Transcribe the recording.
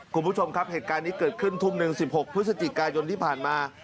คุณผู้ชมครับเหตุการณ์นี้เกิดขึ้นทุ่มหนึ่ง๑๖พฤศจิกายนที่ผ่านมา